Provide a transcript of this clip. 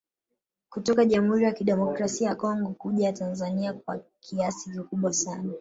Kutoka jamhuri ya kidemokrasi ya Congo kuja Tanzania kwa kiasi kikubwa sana